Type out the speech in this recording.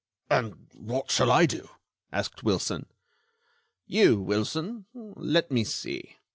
"And what shall I do?" asked Wilson. "You, Wilson—let me see!